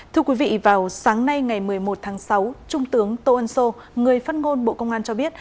thưa quý vị vào sáng nay ngày một mươi một tháng sáu trung tướng tô ân sô người phát ngôn bộ công an cho biết